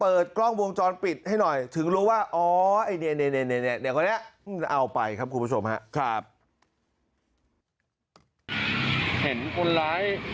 เปิดกล้องวงจรปิดให้หน่อยถึงรู้ว่าอ๋อเนี่ยเนี่ยเนี่ย